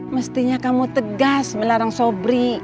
mestinya kamu tegas melarang sobri